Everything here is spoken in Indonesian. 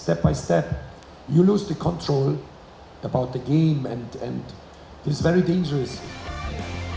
tapi kita kehilangan kontrol tentang permainan dan itu sangat berbahaya